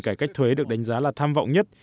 cải cách thuế được đánh giá là tham vọng nhất